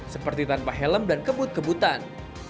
seperti tanpa helm dan kebut kebutan